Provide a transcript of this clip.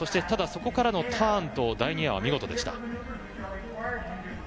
ただ、そこからのターンと第２エアは見事でした。